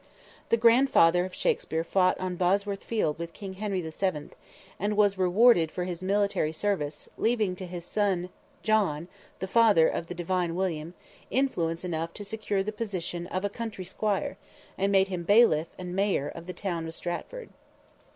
The grandfather of Shakspere fought on Bosworth Field with King Henry the Seventh, and was rewarded for his military service, leaving to his son John, the father of the "Divine" William, influence enough to secure the position of a country squire and made him bailiff and mayor of the town of Stratford.